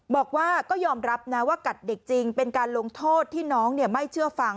บอกว่าก็ยอมรับนะว่ากัดเด็กจริงเป็นการลงโทษที่น้องไม่เชื่อฟัง